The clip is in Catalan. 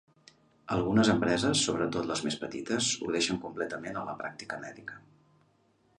Algunes empreses, sobretot les més petites, ho deixen completament a la pràctica mèdica.